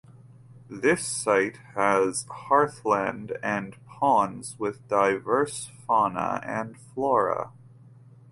This site has heathland and ponds with diverse fauna and flora.